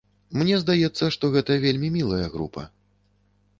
Мне здаецца, што гэта вельмі мілая група.